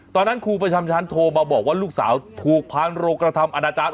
ครูประจำชั้นโทรมาบอกว่าลูกสาวถูกพานโรกระทำอนาจารย์